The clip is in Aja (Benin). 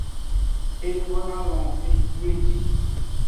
E donoalon ejieji.